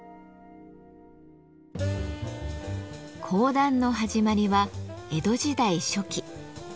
講談の始まりは江戸時代初期。